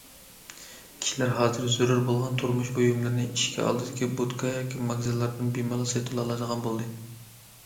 كىشىلەر ھازىر زۆرۈر بولغان تۇرمۇش بۇيۇملىرىنى ئىشىكى ئالدىدىكى بوتكا ياكى ماگىزىنلاردىن بىمالال سېتىۋالالايدىغان بولدى.